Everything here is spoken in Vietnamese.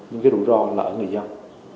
nhưng cái rủi ro là ở người dân